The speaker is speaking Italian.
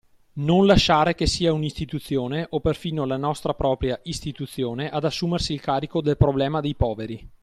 Non lasciare che sia un’istituzione, o perfino la nostra propria istituzione, ad assumersi il carico del “problema” dei poveri.